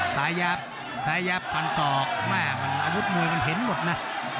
สายหยาบสายหยาบควันศอกมันอาวุธมวยมันเห็นหมดนะ